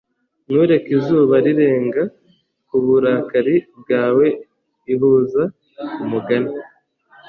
ntureke izuba rirenga kuburakari bwawe ihuza umugani